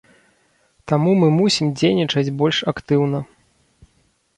Таму мы мусім дзейнічаць больш актыўна.